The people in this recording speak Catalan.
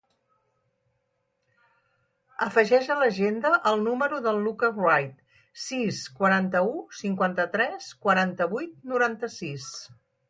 Afegeix a l'agenda el número del Lucca Wright: sis, quaranta-u, cinquanta-tres, quaranta-vuit, noranta-sis.